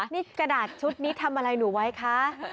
นี่กระดาษชุดนี้ทำอะไรหนูไว้คะ